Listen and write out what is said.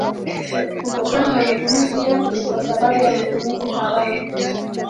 kutokana na matumizi yake kwa sababu ya matumizi haramu